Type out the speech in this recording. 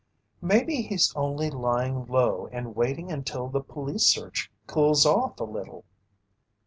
"Maybe he's only lying low and waiting until the police search cools off a little."